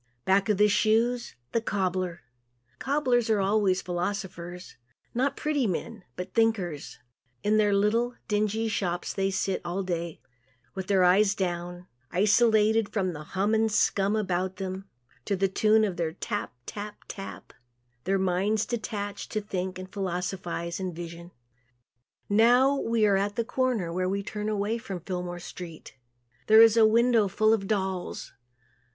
Back of the shoes the cobbler. Cobblers are always philosophers. Not pretty men, but thinkers. In their little, dingy shops they sit all day with their eyes down, isolated from the "hum and scum" about them, to the tune of their "tap, tap, tap," their minds are detached to think and philosophize and vision. Now we are at the corner where we turn away from Fillmore street. There is a window full of dolls.